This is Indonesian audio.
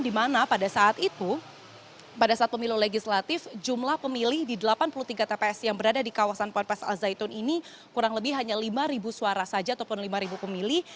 di mana pada saat itu pada saat pemilu legislatif jumlah pemilih di delapan puluh tiga tps yang berada di kawasan ponpes al zaitun ini kurang lebih hanya lima suara saja ataupun lima pemilih